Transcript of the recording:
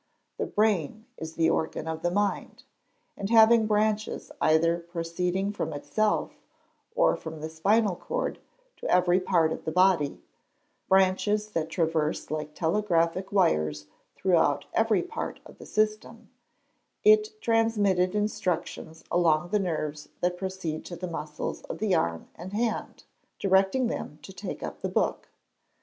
The brain is the organ of the mind; and having branches either proceeding from itself, or from the spinal cord, to every part of the body branches that traverse like telegraphic wires throughout every part of the system, it transmitted instructions along the nerves that proceed to the muscles of the arm and hand, directing them to take up the book.